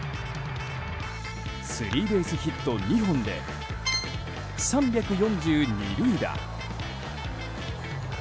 スリーベースヒット２本で３４２塁打。